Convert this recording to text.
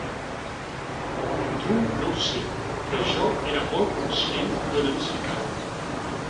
Tu no ho sé, però jo era molt conscient d’on ens ficàvem.